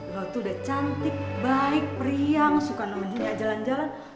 lo tuh udah cantik baik priang suka nemenin dia jalan jalan